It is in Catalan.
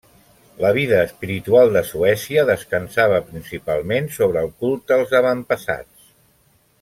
La vida espiritual de Suècia descansava principalment sobre el culte als avantpassats.